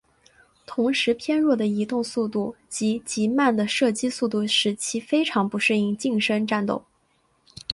同时偏弱的移动速度及极慢的射击速度使其非常不适应近身战斗。